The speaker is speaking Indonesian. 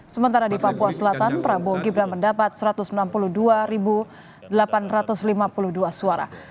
sementara di papua selatan prabowo gibran mendapat satu ratus enam puluh dua delapan ratus lima puluh dua suara